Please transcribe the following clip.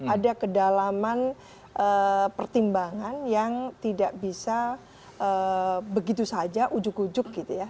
ada kedalaman pertimbangan yang tidak bisa begitu saja ujuk ujuk gitu ya